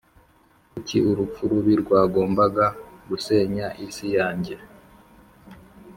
kuki urupfu rubi rwagombaga gusenya isi yanjye.